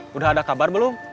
sudah ada kabar belum